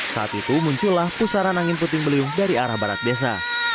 saat itu muncullah pusaran angin puting beliung dari arah barat desa